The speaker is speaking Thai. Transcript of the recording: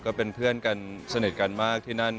ก็เป็นเพื่อนกันสนิทกันมากที่นั่น